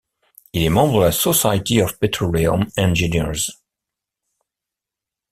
Il est membre de la Society of Petroleum Engineers.